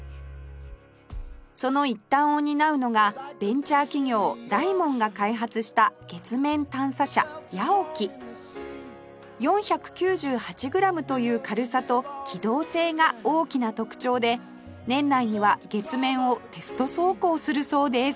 その一端を担うのがベンチャー企業ダイモンが開発した月面探査車「ＹＡＯＫＩ」４９８グラムという軽さと機動性が大きな特徴で年内には月面をテスト走行するそうです